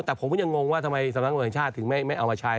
แต่ผมก็ยังงงว่าทำไมสำนักงานชาติถึงไม่เอามาใช้